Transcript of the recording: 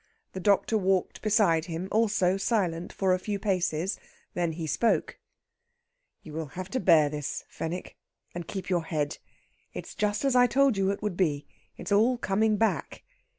The doctor walked beside him, also silent, for a few paces. Then he spoke: "You will have to bear this, Fenwick, and keep your head. It is just as I told you it would be. It is all coming back."